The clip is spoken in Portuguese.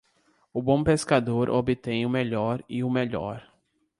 O bom pescador obtém o melhor e o melhor.